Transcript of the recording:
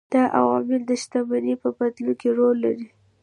دا عوامل د شتمنۍ په بدلون کې رول لري.